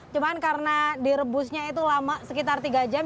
cuma karena direbusnya itu lama sekitar tiga jam